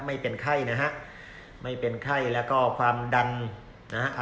ไม่เป็นไข้นะฮะไม่เป็นไข้แล้วก็ความดันนะฮะ